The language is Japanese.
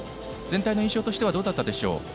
全体の印象としてはどうだったでしょう？